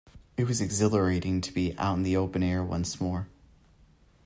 It was exhilarating to be out in the open air once more.